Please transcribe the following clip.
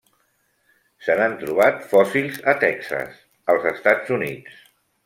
Se n'han trobat fòssils a Texas, als Estats Units.